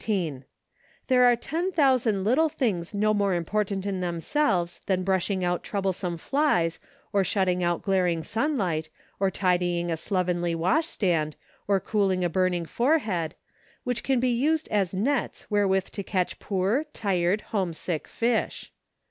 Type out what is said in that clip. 33 18. There are ten thousand little things no more important in themselves than brush¬ ing out troublesome flies, or shutting out glaring sunlight, or tidying a slovenly wash stand, or cooling a burning forehead, which can be used as nets wherewith to catch poor, tired, homesick fish.